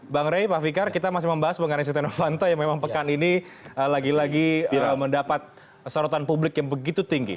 bang rey pak fikar kita masih membahas mengenai siti novanto yang memang pekan ini lagi lagi mendapat sorotan publik yang begitu tinggi